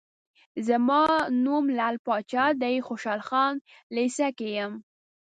زما نوم لعل پاچا دی، خوشحال خان لېسه کې یم.